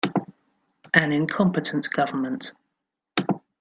An incompetent government.